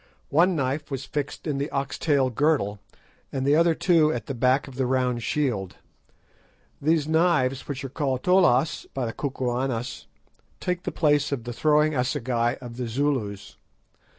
One knife was fixed in the ox tail girdle, and the other two at the back of the round shield. These knives, which are called "tollas" by the Kukuanas, take the place of the throwing assegai of the Zulus.